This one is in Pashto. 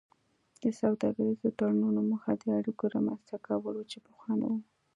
د سوداګریزو تړونونو موخه د اړیکو رامینځته کول وو چې پخوا نه وو